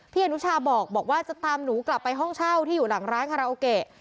อนุชาบอกว่าจะตามหนูกลับไปห้องเช่าที่อยู่หลังร้านคาราโอเกะ